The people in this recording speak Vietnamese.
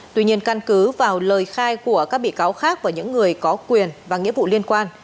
tuy nhiên căn cứ vào lời khai của các bị cáo khác và những người có quyền và nghĩa vụ liên quan